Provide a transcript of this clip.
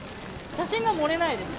写真が盛れないです。